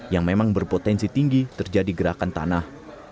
yang memang berpotensi tinggi terjadi gerakan tanah